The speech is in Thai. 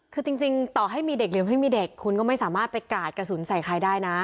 คือจริงต่อให้มีเด็กหรือไม่มีเด็กคุณก็ไม่สามารถไปกาดกระสุนใส่ใครได้นะ